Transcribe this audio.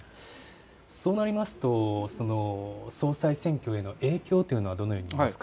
そうなりますと総裁選挙への影響というのはどのようになりますか。